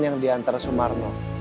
yang diantara sumarno